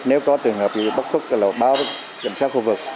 nếu có trường hợp bị bắt cút báo cảnh sát khu vực